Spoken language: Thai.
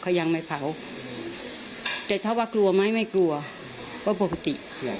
เขายังไม่เผาแต่ถ้าว่ากลัวไหมไม่กลัวก็ปกติ